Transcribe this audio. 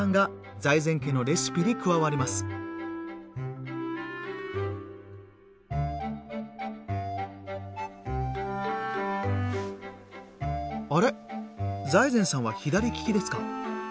財前さんは左利きですか？